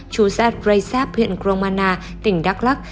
chú saad reysab huyện gromana tỉnh đắk lắc